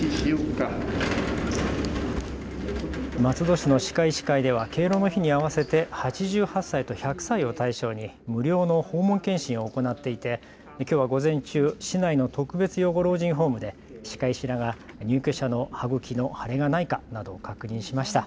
松戸市の歯科医師会では敬老の日に合わせて８８歳と１００歳を対象に無料の訪問健診を行っていてきょうは午前中、市内の特別養護老人ホームで歯科医師らが入居者の歯ぐきの腫れがないかなどを確認しました。